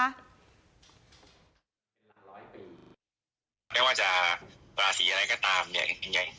ไม่ว่าจะราศีอะไรก็ตามเนี่ยยังไง